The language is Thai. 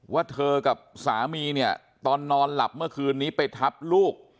ว่าเธอกับสามีเนี่ยตอนนอนหลับเมื่อคืนนี้ไปทับลูก